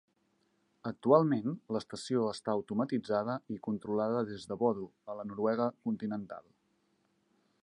Actualment l'estació està automatitzada i controlada des de Bodø a la Noruega continental.